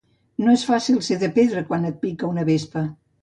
No és fàcil ser de pedra quan et pica una vespa.